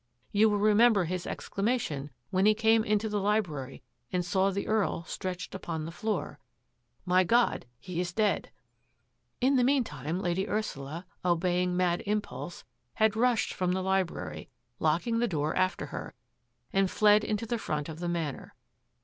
You will re member his exclamation when he came into the library ^.nd saw the Earl stretched upon the floor :* My God, he is dead !'" In the meantime Lady Ursula, obeying mad impulse, had rushed from the library, locking the door after her, and fled into the front of the Manor.